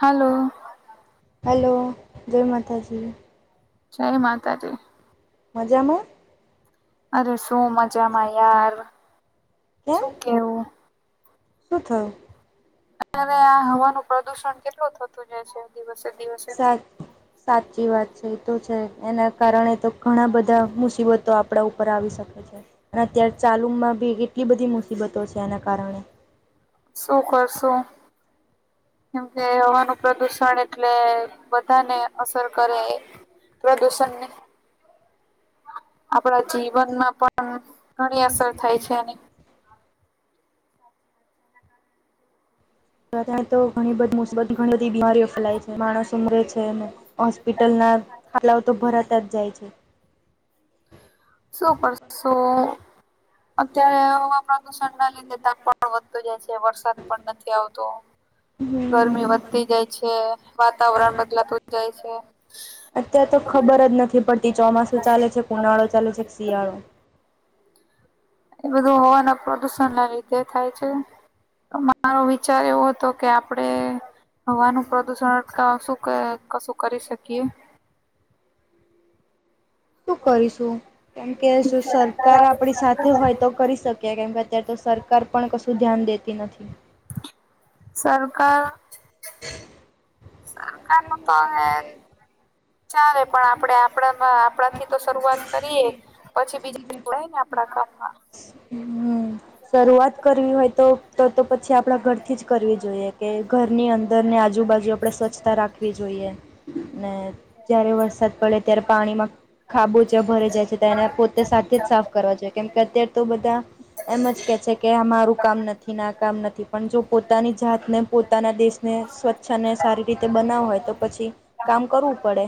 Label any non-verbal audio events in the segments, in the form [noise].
Hello હાલો જય માતાજી. જય માતાજી. મજામાં? અરે શું મજામાં યાર, કેમ શું કેવું? શું થયું? અ્યારે આ હવાનું પ્રદુષણ કેટલુ થતું જાય છે. દિવસે દિવસે સાચ સાચી વાત છે, એ તો છે. એના કારણે તો ઘણા બધા મુસીબતો આપડા ઉપર આવી શકે છે. અને અત્યારે ચાલુમાં બી કેટલી બધી મુસીબતો છે, એના કારણે. શું કરશું? કેમકે હવાનું પ્રદુષણ એટલે બધાને અસર કરે એ. પ્રદૂષણને આપણા જીવનમાં પણ ઘણી અસર થાય છે એની. બધા જ તો ઘણી બધી મુસીબતો, ઘણી બધી બીમારીઓ ફેલાય છે. માણસો મરે છે ને હોસ્પિટલના હલાવ તો ભરતા જ જાય છે. શો કરસો? અત્યારે હવા પ્રદુષણ ના લીધે તપ પણ વધતું જાય છે વરસાદ પણ નથી આવતો. ગરમી વાતાવરણ વધતી જાય છે વાતાવરણ બદલાતું જ જાય છે. અત્યારેાર તો ખબર જ નથી પડતી ચોમાસું ચાલે છે ઉનાળો ચાલે છે કે શિયાળો. એ બધું હવાના પ્રદુષણ ના લીધે થાય છે. માળો વિચાર એવો હતો કે આપડે હવાનું પ્રદુષણ અટકવા શું કશું કરી શકીએ. શું કરીશું કેમ કે શું સરકાર આપડી સાથે હોય. તો કરી શકીએ કેમ કે અત્યારે તો સરકાર પણ કશું ધ્યાન દેતી નથી. સર સરકાર સરકાર ન તો હવે ચારે પણ આપડે આપડામાં આપણા થી તો શરૂઆત કરીએ પછી બીજા જોડાય ને આપણા કામમાં. હ [unintelligible] શરૂઆત કરવી હોય તો તો તો પછી આપણા ઘરથી જ કરવી જોઈએ કે ઘરની અંદરને આજુબાજુ આપણે સ્વચ્છતા રાખવી જોઈએ. ને ત્યારે વરસાદ પડે ત્યારે પાણીમાં ખાબોચિયાં ભરે જાય છે. તો એને પોતે સાથે જ સાફ કરવા જોઈએ કેમ કે અત્યારે તો બધા એમ જ કે કે મારું કામ નથી ના કામ નથી પણ જો પોતાની જાતને પોતાના દેશ ને સ્વચ્છ અને સારી રીતે બનાવો હોય તો પછી કામ કરવું પડે.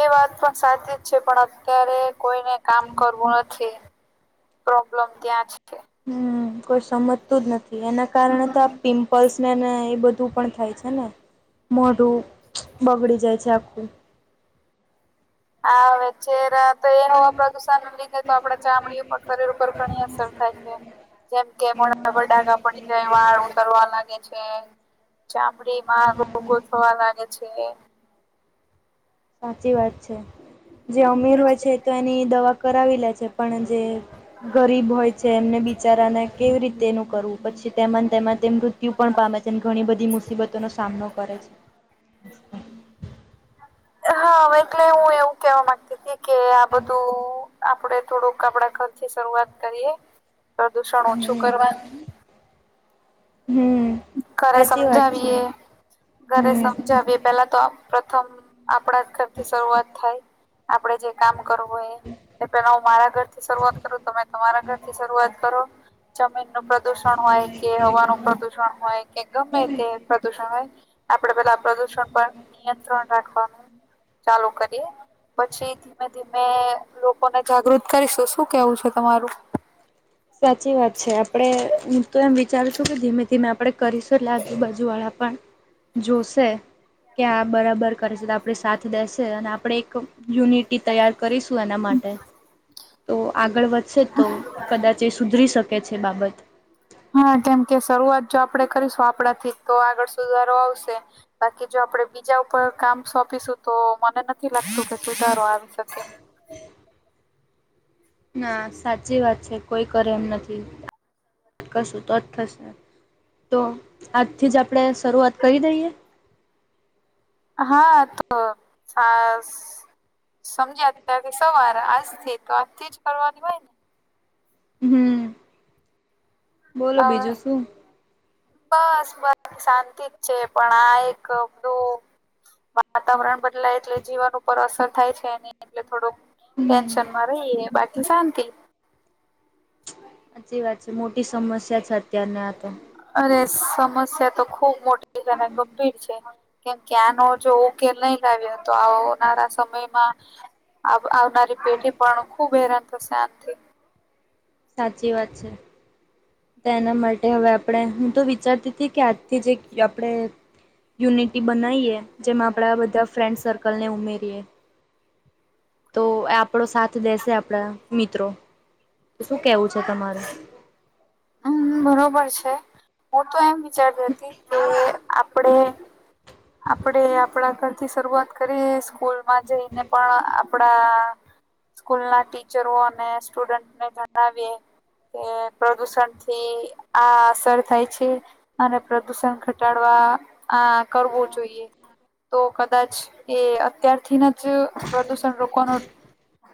એ વાત પણ સાચી જ છે પણ અત્યારે કોઈને કામ કરવું નથી. પ્રોબ્લેમ ત્યાં છે. હમ કોઈ સમજતું જ નથી. એના કારણે તો આ પિમ્પલ્સ નેને એ બધું. પણ થાય છે ને મોઢું બગડી જાય છે આખું. હા અવે ચેહરા તો એ હવા પ્રદુષણ લીધે તો આપડ ચામડી પર શરીર ઉપર ઘણી અસર થાય છે. જેમ કે મોડા પર ડાકા પડી જાય, વાળ ઉતરવા લાગે છે. ચામડીમાં રોગો થવા લાગે છે. સાચી વાત છે જે અમીર હોય છે, તો એની દવા કરાવી લે છે પણ જે ગરીબ હોય છે એમને બિચારાને કેવી રીતે એનું કરવું પછી તેમાં તેમાં તેમ મૃત્યુ ત્યુ પણ પામે છે અને ઘણી બધી મુસીબતો નો સામનો કરે છે. હા, હવે એટલે હું એવું કેવા માંગતી હતી કે આ બધું આપડે થોડુંક આપડા ખરથી શરૂઆત કરીએ પ્રદુષણ ઓછું કરવાનું. હમ. ઘરે સાચી વાત સમજાવીએ છે ઘરે હમ સમજાવીએ. પહેલા તો આ પ્રથમ આપણા ઘરથી શરૂઆત થાય આપડે જે કામ કરવુંએ તો પહેલાં હું મારા ઘર થી શરૂઆત કરું તમે તમારા ઘર થી શરુઆત કરો જમીનનું પ્રદુષણ હોય કે હવાનું પ્રદુષણ હોય કે ગમે કે પ્રદુષણ હોય. આપડે બધા પ્રદુષણ પર નિયંત્રણ રાખવાનુ ચાલુ કરીએ. પછી [unintelligible] લોકોને જાગૃત કરીશું શું કેવું છે તમારું? સાચી વાત છે આપડે હું તો એમ વિચારું છું કે ધીમે-ધીમે આપણે કરીશું એટલે આજુબાજુ વાળા પણ જોશે કે આ બરાબર કરશે તો આપણે સાથ દેશે અને આપડે એક યુનિટી તૈયાર કરીશું એના માટે તો આગળ વધશે તો કદાચ એ સુધરી શકે છે બાબત. હા કેમકે શરૂઆત જો આપડે કરીશું આપણાથી તો આગળ સુધારો આવશે. બાકી જો આપડે બીજા ઉપર કામ સોંપીશું તો મને નથી લાગતું કે સુધારો આવી શકે. [inaudible] હા સાચી વાત છે કોઈ કરે એમ નથી. કરશું તો જ થશે તો આજથી જ આપણે શરૂઆત કરી દઈએ. હા તો [unintelligible] સમજ્યા ત્યારથી સવાર આજથી તો આજ થી જ કરવાની હોય ને. હુંમ્મ. હવે શું [inaudible] વાતાવરણ બદલાય એટલે જીવન ઉપર અસર થાય છે અને એટલે થોડુંક હમ ટેન્શનમાં રહીયે બાકી શાંતિ. હાચી વાત છે મોટી સમસ્યા છે અત્યારને આ તો. અરે સમસ્યા તો ખુબ મોટી છે ને ગંભીર છે [unintelligible] કેમ કે આનો જો ઉકેલ નહી લાવ્યો તો આવનારા સમયમાં આવ આવનારી પેઢી પણ ખુબ હેરાન થશે આનથી. સાચી વાત છે. તેના માટે હવે આપણે હું તો વિચારતી તી કે આજથી જે આપણે યુનિટી બનાઈએ જેમાં આપણા બધા ફ્રેન્ડ સર્કલને ઉમેરીએ. તો આપડો સાથ દેશે આપડા મિત્રો શું કેવું છે તમારું? હા [unintelligible] બરોબર છે હું તો એમ વિ વિચાર તી કે આપણે આપણે આપણા ઘરથી શરૂઆત કરી સ્કૂલમાં જઈને પણ આ આપડા સ્કૂલના ટિચરો અને સ્ટુડન્ટને જણાવીએ કે પ્રદુષણ થી આ અસર થાય છે. અને પ્રદુષણ ઘટાડવા આ કરવો જોઈએ. તો કદાચ એ અત્યાર [unintelligible] પ્રદુષણ રોકવાનો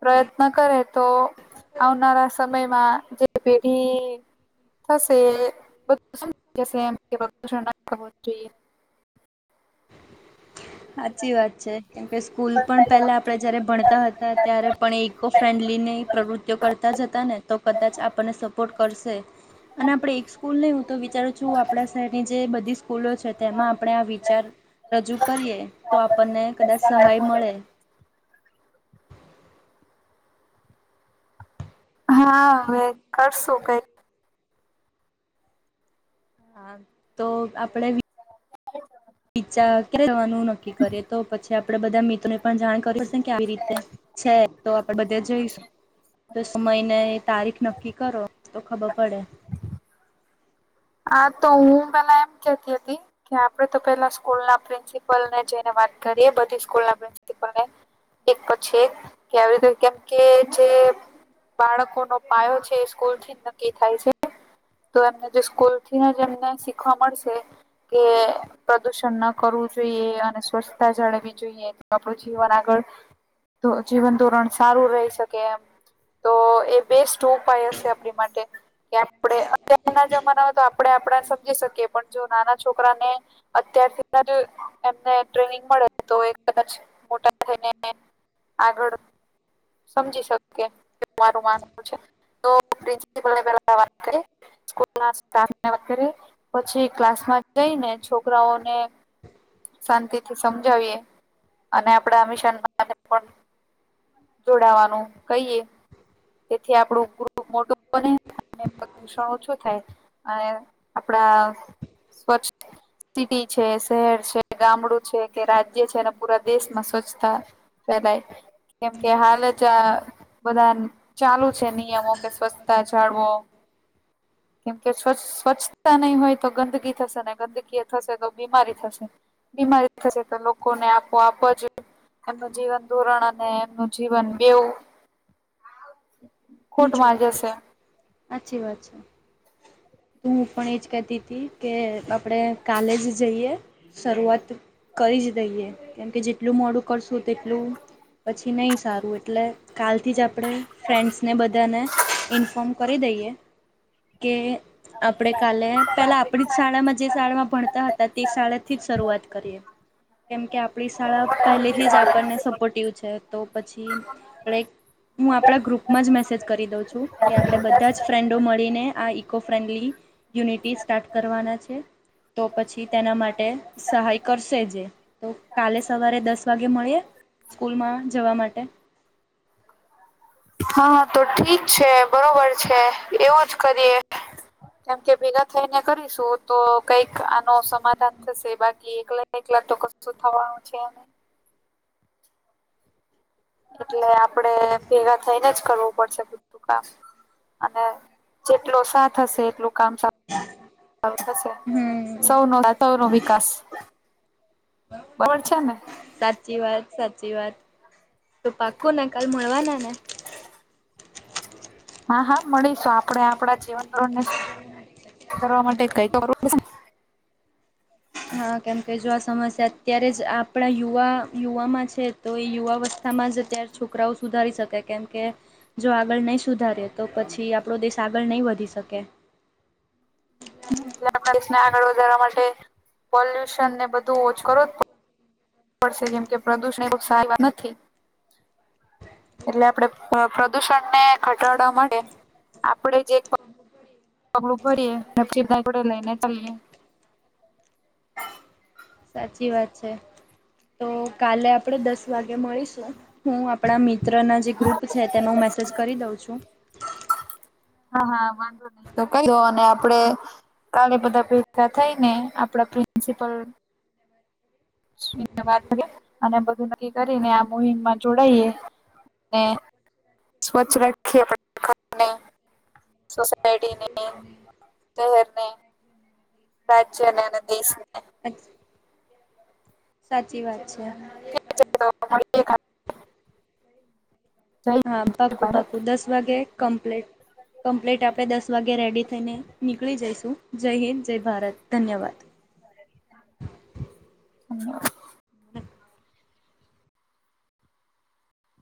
પ્રયત્ન કરે તો આવનારા સમયમાં જે પેઢી [inaudible] હાચી વાત છે કેમ કે સ્કૂલ પણ પેહલા આપણે જ્યારે ભણતા હતા ત્યારે પણ એ ઇકો ફ્રેન્ડલીની પ્રવૃત્તિઓ કરતા જ હતા ને તો કદાચ આપણને સપોર્ટ કરશે. અને આપણે એક સ્કૂલ નહીં હું તો વિચારું છું આપણા શહેરની જે બધી સ્કૂલો છે તેમાં આપણે આ વિચાર રજૂ કરીએ તો આપણને કદાચ સહાય મળે. હા હવે કરશું કઈક. હા, તો આપણેે વિ [inaudible] ચાર ક્યારે જવાનું નક્કી કરીએ તો પછી કે આપડે બધા મિત્રોને પણ જાણ કરવી પડશે ને કે આવી રીતે છે. તો આપડે બધાં જઈશું. તો સમય ને તારીખ નક્કી કરો તો ખબર પડે. આ તો હું પેલા એમ કેતી હતી કે આપડે તો પેલા સ્કૂલના પ્રિન્સિપલને જઈને વાત કરીએ બધી સ્કૂલના પ્રિન્સિપલને એક પછી એક કે આવી રીતે કેમ કે જે બાળકોનો પાયો છે એ સ્કૂલ થી જ નક્કી થાય છે તો એમને જે સ્કૂલ પછી ના જેમ જેમ શીખવા મળશે કે પ્રદુષણ ન કરવું જોઈએ અને સ્વચ્છતા જાળવી જોઈએ. [unintelligible] આપણું જીવન આગળ તો જીવન ધોરણ સારું રહી શકે એમ. તો એ બેસ્ટ ઉપાય હશે આપડી માટે કે આપણે અત્યારના જમાનામા તો આપણે આપડા ને સમજી શકીએ પણ જો નાના છોકરાને અત્યારથીના જે એમને ટ્રેનિંગ મળે તો એ કદાચ મોટા થઈને આગળ સમજી શકે તેમ મારું માનવું છે તો પ્રિન્સપલે પેલા વાત કરીએ. સ્કૂલના સ્ટાફને વાત કરીએ પછી ક્લાસમાં જઈને છોકરાઓને શાંતિથી સમજાવીએ અને આપડા આ મિશન માટે પણ જોડાવાનું કહીએ. તેથી આપણું ગ્રુપ મોટું બને અને પ્રદૂષણ ઓછું થાય અને આપડા સ્વચ્છ સિટી છે. શહેર છે. ગામડું છે કે રાજ્ય છે અને પૂરા દેશમાં સ્વચ્છતા ફેલાય કેમ કે હાલ જ ચા બધા ચાલુ છે નિયમો કે સ્વચ્છતા જાળવો [inaudible] કેમ કે સ્વચ્ સ્વચ્છતા નહી હોય તો ગંદકી થશે ને ગંદકી થશે તો બીમારી થશે. બીમારી થશે તો લોકોને આપો આપો જ એમનું જીવન ધોરણ અને [unintelligible] બેવો નીચું થઈ જશે. હાચી વાત છે તો હું પણ એ જ કેતીતી કે આપણે કાલે જ જઈએ શરૂઆત કરી જ દઈએ. કેમ કે જેટલું મોડું કરશું તેટલું પછી નહી સારું એ એટલે કાલથી જ આપણે ફ્રેન્ડ્સ ને ઇન્ફોર્મ કરી દઈએ કે આપણે કાલે પેલા આપણી જ શાળામાં જે શાળામાં ભણતા હતા તે શાળાથી જ શરૂઆત કરીએ કેમ કે આપણી શાળા પહેલેથી જ આપડને સપોર્ટિવ છે તો પછી આપણે હું આપણા ગ્રુપ માં જ મેસેજ કરી દઉં છું કે આપણે બધા જ ફ્રેન્ડો મળીને આ ઇકો ફ્રેન્ડલી યુનિટી સ્ટાર્ટ કરવાના છે તો પછી તેના માટે સહાય કરશે જે તો કાલે સવારે દસ વાગે મળીએ સ્કૂલમાં જવા માટે. હા તો ઠીક છે. બરોબર છે. એવો જ કરીએ. કેમ કે ભેગા થઈને કરીશું તો કઈક આનો સમાધાન થશે બાકી એકલા એકલા તો કશું થવાનું છે નઇ એટલે આપડે ભેગા થઈને જ કરવું પડશે બધું કામ. અને જેટલો સાથ હશે એટલું કામ સા સારુ થશે હમ સૌનો સાથ સૌનો વિકાસ બરોબર છે ને સાચી વાત સાચી વાત તો પાકુંને કાલ મળવાનાને હા હા મળીશું આપણે આપડા જીવન ધોરણને [unintelligible] કરવા માટે કઈક તો કરવું પડશેને હા કેમ કે જો આ સમસ્યા અત્યારે જ આપ આપણા યુવા યુવામાં છે તો એ યુવાવસ્થામાં જ અત્યારે છોકરાઓ સુધારી શકે કેમ કે જો આગળ નહી સુધારીએ તો પછી આપણો દેશ આગળ નહીં વધી શકે [inaudible] હમ્મ એટલે આપ દેશને આગળ વધારવા માટે પોલ્યુશન ને બધું ઓછું કરવું જ પ પડશે કેમ કે પ્રદુષણ એ બોવ સારી વાત નથી એટલે આપડે પ્રદૂષણને ઘટાળવા મળે આપણેે જે [unintelligible] પગલું ભરી એ [unintelligible] લઈને ચલીએ [inaudible] સાચી વાત છે તો કાલે આપણેે દસ વાગે મળીશું. હું આપણા મિત્રના જે ગ્રુપ છે તેમાં હું મેસેજ કરી દઉં છું હા હા વાંધો ની તો કઇ દો અને આપડે કાલે બધા ભેગા થઈને આપડા પ્રિન્સિપલ વાત કરી અને બધું નક્કી કરીને આ [unintelligible] જોડાઈએ ને સ્વચ્છ રાખીએ [unintelligible] સોસાયટીની, શહેરની રાજ્યને અને દેશને સાચી વાત છે. [unintelligible] જય હા હિન્દ જય પાકું ભારત પાકું દસ વાગે કંપ્લેટ કમ્પલીટ આપણે દસ વાગે રેડી થઈને નીકળી જઈશું જય હિંદ જય ભારત ધન્યવાદ [inaudible]